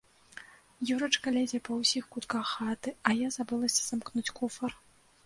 Юрачка лезе па ўсіх кутках хаты, а я забылася замкнуць куфар.